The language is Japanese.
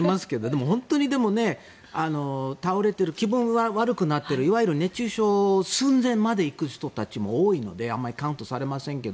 でも本当に、倒れている気分が悪くなっているいわゆる熱中症寸前まで行く人たちも多いのであまりカウントされませんが。